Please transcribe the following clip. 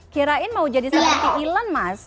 kirain mau jadi seperti elon mas